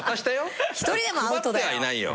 １人でもアウトだよ！